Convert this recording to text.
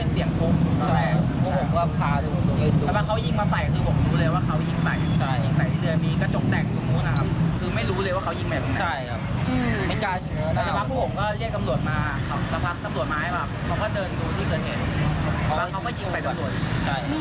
ตั้งแต่ปีสามเนี้ยเกือบถึงเช้าอ่ะครับก็มีเช้ากว่าวันที่สี่